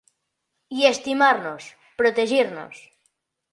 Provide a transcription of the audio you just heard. I estimar-nos, protegir-nos.